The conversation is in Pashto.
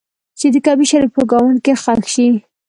چې د کعبې شریفې په ګاونډ کې ښخ شي.